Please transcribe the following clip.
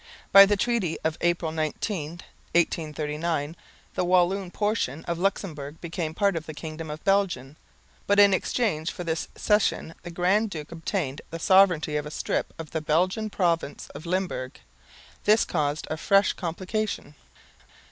By the treaty of April 19, 1839, the Walloon portion of Luxemburg became part of the kingdom of Belgium, but in exchange for this cession the grand duke obtained the sovereignty of a strip of the Belgian province of Limburg. This caused a fresh complication.